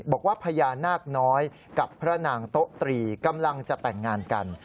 บอกว่าพญานาคน้อยกับพระนางโต๊ะตรีกำลังจะแต่งงานกัน